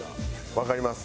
わかります。